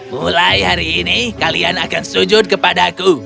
mulai hari ini kalian akan sujud kepada aku